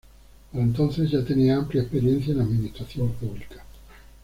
Para entonces, ya tenía amplia experiencia en administración pública.